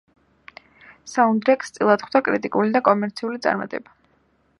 საუნდტრეკს წილად ხვდა კრიტიკული და კომერციული წარმატება.